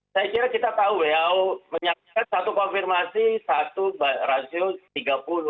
saya kira kita tahu who menyatakan satu konfirmasi satu rasio tiga puluh